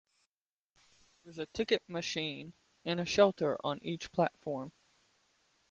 There is a ticket machine and a shelter on each platform.